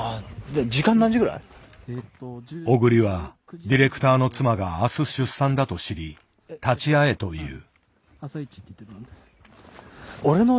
小栗はディレクターの妻が明日出産だと知り立ち会えと言う。